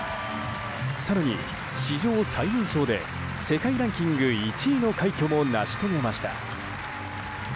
更に、史上最年少で世界ランキング１位の快挙も成し遂げました。